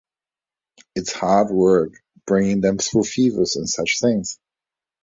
It’s hard work bringing them through fevers, and such things.